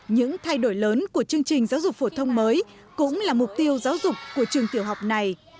những thay đổi lớn của chương trình giáo dục phổ thông mới cũng là mục tiêu giáo dục của trường tiểu học này